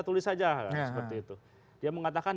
tulis saja seperti itu dia mengatakan